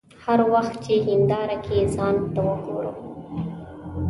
هر وخت چې هنداره کې ځان ته ګورم.